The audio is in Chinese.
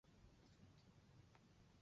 他因为喜爱阿尔达。